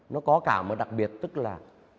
nó có cả một đặc biệt tức là